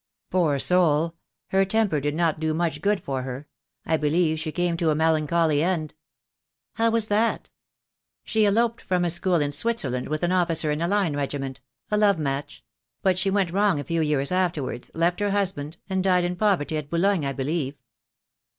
"Poor soul! Her temper did not do much good for her. I believe she came to a melancholy end." "How was that?" "She eloped from a school in Switzerland with an officer in a line regiment — a love match; but she went wrong a few years afterwards, left her husband, and died in poverty at Boulogne, I believe."